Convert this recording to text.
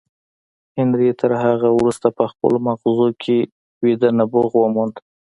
هنري تر هغه وروسته په خپلو ماغزو کې ویده نبوغ وموند